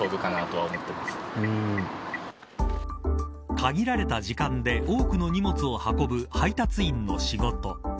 限られた時間で多くの荷物を運ぶ配達員の仕事。